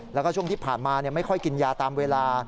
แล้วก็ช่วงที่ผ่านมาไม่ค่อยกินยาตามเวลา